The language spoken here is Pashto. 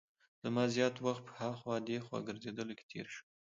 زما زیات وخت په هاخوا دیخوا ګرځېدلو کې تېر شو.